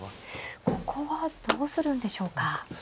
ここはどうするんでしょうか。